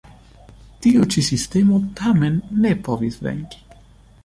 Tiu ĉi sistemo tamen ne povis venki.